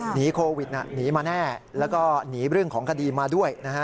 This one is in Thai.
หนีโควิดหนีมาแน่แล้วก็หนีเรื่องของคดีมาด้วยนะฮะ